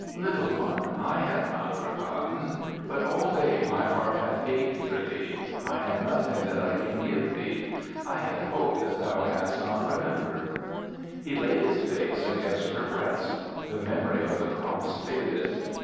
"Little one, I had not forgotten; but all day my heart hath ached for thee. I have nothing that I can give thee. I had hoped that thou hadst not remembered." He laid his face against her breast. The memory of the cross faded.